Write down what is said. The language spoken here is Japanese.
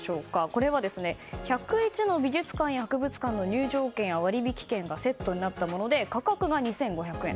これは１０１の美術館や博物館の入場券や割引券がセットになったもので価格が２５００円。